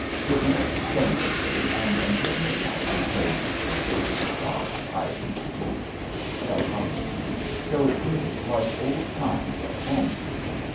It went splendidly and until midnight we played Beethoven, Bach, Hayden, Gluck, Tchaikowsky, till it seemed like old times at home.